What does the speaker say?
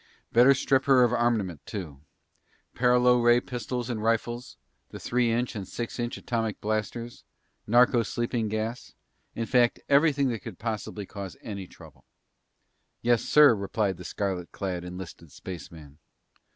"Better strip her of armament, too. Paralo ray pistols and rifles, the three inch and six inch atomic blasters, narco sleeping gas; in fact, everything that could possibly cause any trouble." "Yes, sir," replied the scarlet clad enlisted spaceman.